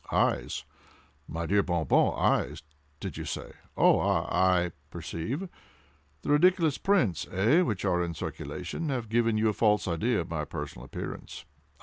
"Eyes! my dear Bon Bon—eyes! did you say?—oh!—ah!—I perceive! The ridiculous prints, eh, which are in, circulation, have given you a false idea of my personal appearance?